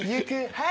はい。